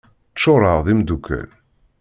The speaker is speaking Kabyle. Ččureɣ d imeddukal.